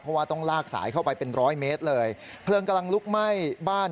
เพราะว่าต้องลากสายเข้าไปเป็นร้อยเมตรเลยเพลิงกำลังลุกไหม้บ้าน